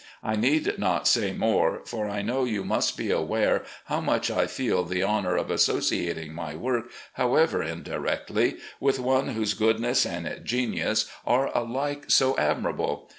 I need not say more, for I know you must be aware how much I feel the honour of associating my work, however indi rectly, with one whose goodness and genius are alike so admirable.